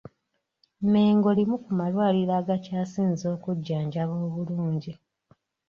Mengo limu ku malwaliro agakyasinze okujjanjaba obulungi.